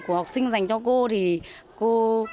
của học sinh dành cho cô thì cô